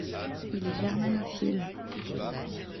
Il est germanophile.